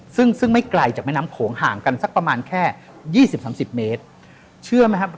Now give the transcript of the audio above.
ซึ่งไม่ไกลจากแม่น้ำโขงห่างกันสักประมาณแค่๒๐๓๐เมตร